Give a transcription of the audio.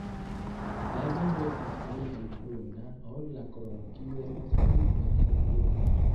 La vango estas pli helbruna ol la krono kiu estas pli malhelbruna.